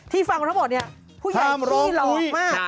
ฟังทั้งหมดเนี่ยผู้ใหญ่หลอดมาก